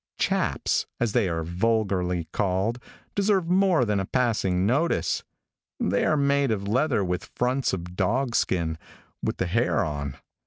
"Chaps," as they are vulgarly called, deserve more than a passing notice. They are made of leather with fronts of dog skin with the hair on.